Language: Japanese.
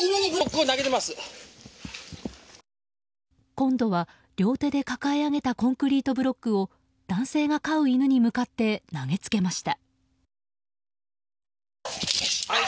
今度は、両手で抱え上げたコンクリートブロックを男性が飼う犬に向かって投げつけました。